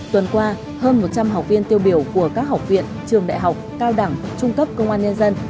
tuần qua hơn một trăm linh học viên tiêu biểu của các học viện trường đại học cao đẳng trung cấp công an nhân dân